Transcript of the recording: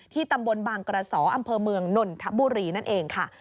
ตำบลบางกระสออำเภอเมืองนนทบุรีนั่นเองค่ะ